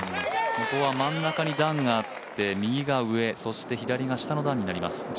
ここは真ん中に段があって右が上そして左が下の段になります。